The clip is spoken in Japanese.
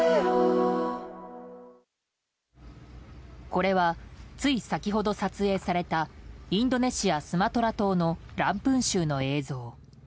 これはつい先ほど撮影されたインドネシア・スマトラ島のランプン州の映像。